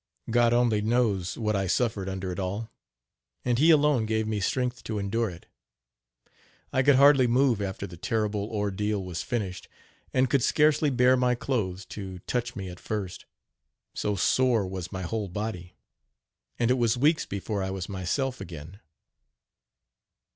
God only knows what I suffered under it all, and He alone gave me strength to endure it. I could hardly move after the terrible ordeal was finished, and could scarcely bear my clothes to touch me at first, so sore was my whole body, and it was weeks before I was myself again.